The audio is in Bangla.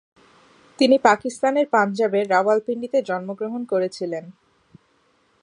তিনি পাকিস্তানের পাঞ্জাবের রাওয়ালপিন্ডিতে জন্মগ্রহণ করেছিলেন।